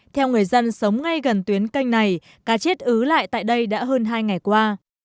theo người dân sống ngay gần tuyến canh này cá chết ứ lại tại đây đã hơn hai ngày qua